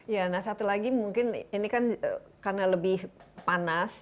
ya nah satu lagi mungkin ini kan karena lebih panas